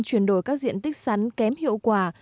chuyển đổi các diện tích sắn kém hiệu quả